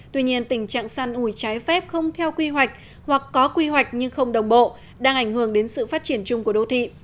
tuy nhiên tình trạng săn ủi trái phép không theo quy hoạch hoặc có quy hoạch nhưng không đồng bộ đang ảnh hưởng đến sự phát triển chung của đô thị